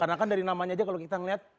karena kan dari namanya aja kalau kita ngelihat